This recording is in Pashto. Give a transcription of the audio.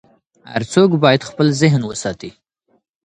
هر څوک باید خپل ذهن وساتي.